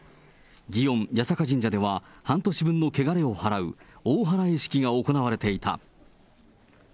祇園、八坂神社では半年分のけがれを払う、大祓式が行われていた。